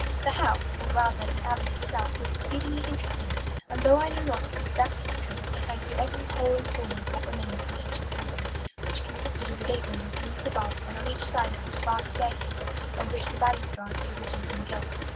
"The house or, rather, the Abbey itself was exceedingly interesting; and though I know not its exact history, yet I knew every hole and corner of what remained of the ancient building, which consisted of a gateway with rooms above, and on each side of it a vast staircase, of which the balustrades had originally been gilt.